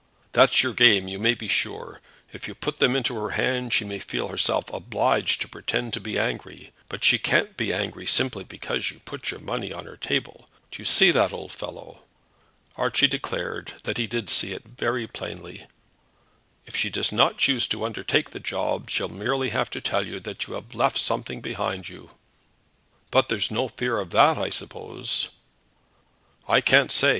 "That's your game, you may be sure. If you put them into her hand she may feel herself obliged to pretend to be angry; but she can't be angry simply because you put your money on her table. Do you see that, old fellow?" Archie declared that he did see it very plainly. "If she does not choose to undertake the job, she'll merely have to tell you that you have left something behind you." "But there's no fear of that, I suppose?" "I can't say.